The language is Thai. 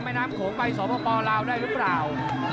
แม่น้ำโขงไปสปลาวได้หรือเปล่า